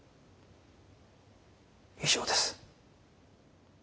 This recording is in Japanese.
以上です。